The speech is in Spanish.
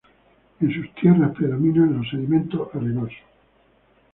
En sus tierras predominan los sedimentos arenosos.